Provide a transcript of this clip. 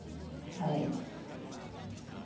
早いです。